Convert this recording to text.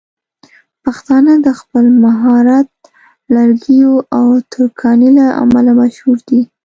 پښتانه د خپل مهارت لرګيو او ترکاڼۍ له امله مشهور دي.